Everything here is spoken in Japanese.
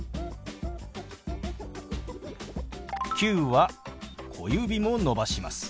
「９」は小指も伸ばします。